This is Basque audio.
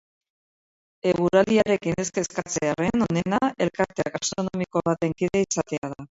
Eguraldiarekin ez kezkatzearren, onena, elkarte gastronomiko baten kide izatea da.